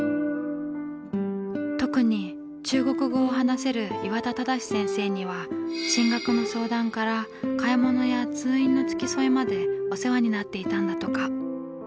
特に中国語を話せる岩田忠先生には進学の相談から買い物や通院の付き添いまでお世話になっていたんだとか。